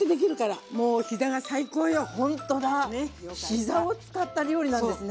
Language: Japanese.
膝を使った料理なんですね。